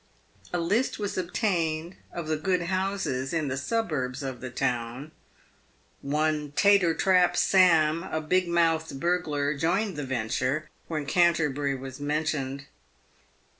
A list was obtained of the good houses in the suburbs of the town. One Tater trap Sam, a big mouthed burglar, joined the venture when Can terbury was mentioned.